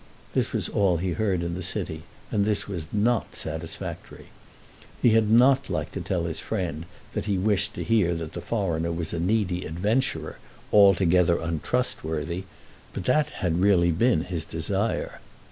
This was all he heard in the city, and this was not satisfactory. He had not liked to tell his friend that he wished to hear that the foreigner was a needy adventurer, altogether untrustworthy; but that had really been his desire.